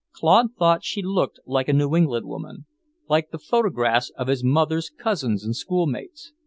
Claude thought she looked like a New England woman, like the photographs of his mother's cousins and schoolmates.